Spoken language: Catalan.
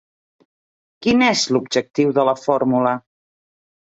Quin és l'objectiu de la fórmula?